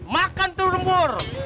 makan turun bur